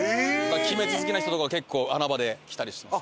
『鬼滅』好きな人とかは結構穴場で来たりしてます。